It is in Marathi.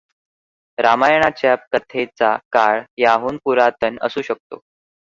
रामायणाच्या कथेचा काळ याहून पुरातन असू शकतो.